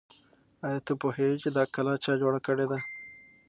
آیا ته پوهېږې چې دا کلا چا جوړه کړې ده؟